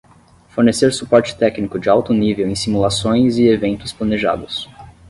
Fornecer suporte técnico de alto nível em simulações e eventos planejados.